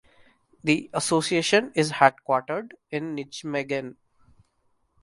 The association is headquartered in Nijmegen.